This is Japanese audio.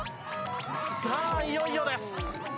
さあ、いよいよです！